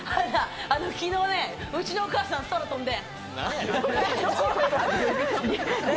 昨日、うちのお母さん、空飛んで。